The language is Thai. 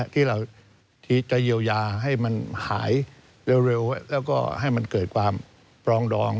ที่เราจะเยียวยาให้มันหายเร็วแล้วก็ให้มันเกิดความปรองดอง